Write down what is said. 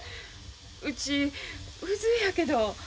うち普通やけど。